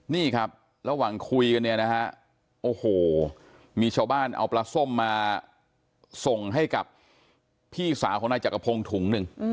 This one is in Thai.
นี่ครับระหว่างคุยกันเนี่ยนะฮะโอ้โหมีชาวบ้านเอาปลาส้มมาส่งให้กับพี่สาวของนายจักรพงศ์ถุงหนึ่ง